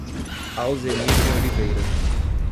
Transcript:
Alzenir de Oliveira